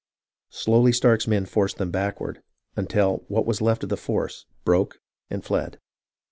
Slowly Stark's men forced them backward, until what was left of the force broke and fled.